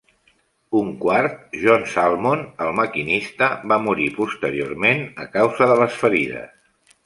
Un quart, John Salmon, el maquinista, va morir posteriorment a causa de les ferides.